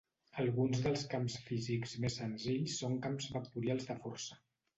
Alguns dels camps físics més senzills són camps vectorials de força.